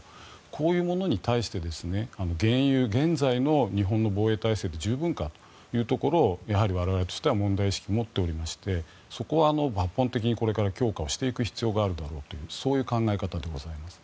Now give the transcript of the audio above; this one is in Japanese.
こういうものに対して現有、現在の日本の防衛体制で十分かというところをやはり我々としては問題意識を持っておりましてそこは抜本的にこれから強化をしていく必要があるだろうというそういう考え方でございます。